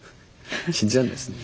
信じらんないですね。